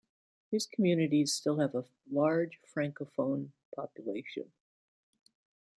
These communities still have a large francophone population.